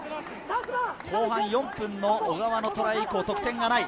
後半４分の小川のトライ以降、得点がない。